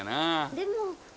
でも。